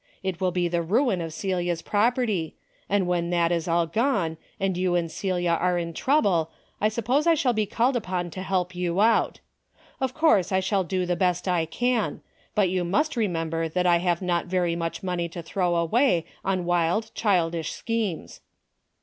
It will be the ruin of Celia's property, and when that is all gone, and you and Celia are in trouble, I suppose I shall be called upon to help you out. Of course I shall do the best I can, but you must remember that I have not very much money to throw away on wild childish schemes."